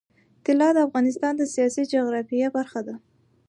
طلا د افغانستان د سیاسي جغرافیه برخه ده.